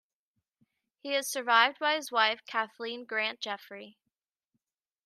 He is survived by his wife, Kathleen Grant Jeffrey.